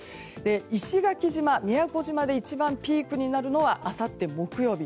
石垣島、宮古島で一番ピークになるのはあさって木曜日。